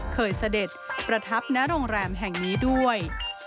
เสด็จประทับณโรงแรมแห่งนี้ด้วย